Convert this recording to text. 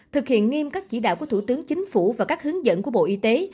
thực hiện nghiêm các chỉ đạo của thủ tướng chính phủ và các hướng dẫn của bộ y tế